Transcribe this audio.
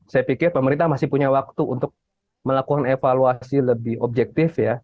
saya pikir pemerintah masih punya waktu untuk melakukan evaluasi lebih objektif ya